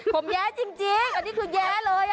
ผมแย้จริงอันนี้คือแย้เลย